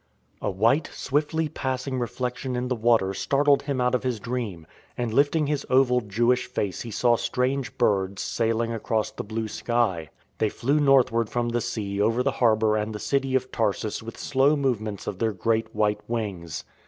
A white, swiftly passing reflection in the water startled him out of his dream, and lifting his oval Jewish face he saw strange birds sailing across the blue sky. They flew northward from the sea over the harbour and the city of Tarsus with slow move ments of their great white wings.